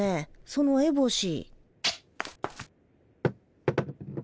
そのエボシ。